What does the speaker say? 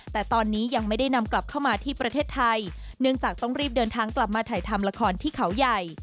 แต่ตอนนี้ยังไม่ได้นำกลับเข้ามาที่ประเทศไทยเนื่องจากต้องรีบเดินทางกลับมาถ่ายทำละครที่เขาใหญ่